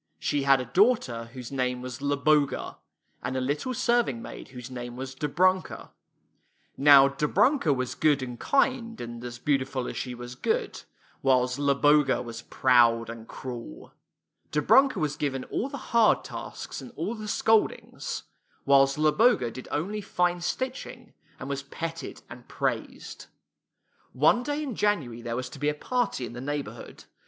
She had a daughter whose name was Zloboga, and a little serving maid whose name was Dobrunka. Now Dobrunka was good and kind, and as beautiful as she was good; while Zloboga was proud and cruel. Dobrunka was given all the hard tasks, and all the scoldings, while Zloboga did only fine stitching, and was petted and praised. One day in January there was to be a party in the neighborhood.